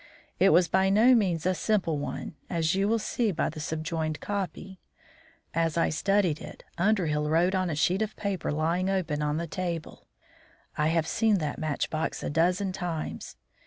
It was by no means a simple one, as you will see by the sub joined copy. As I studied it, Underhill wrote on a sheet of paper lying open on the table: "I have seen that match box a dozen times."